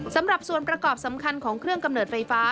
สำหรับส่วนประกอบสำคัญของเครื่องกำเนิดไฟฟ้า